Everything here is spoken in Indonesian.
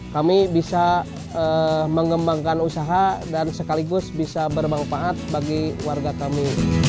kami bisa mengembangkan usaha dan sekaligus bisa bermanfaat bagi warga kami